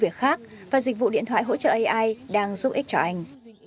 tôi đã tìm ra một số công việc khác và dịch vụ điện thoại hỗ trợ ai đang giúp ích cho anh